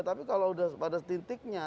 tapi kalau sudah pada setintiknya